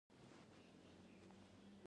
دوی د دې کار لپاره تبلیغاتي دستګاوې کاروي